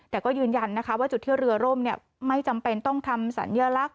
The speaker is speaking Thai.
แต่ก็ยืนยันนะคะว่าจุดที่เรือร่มไม่จำเป็นต้องทำสัญลักษณ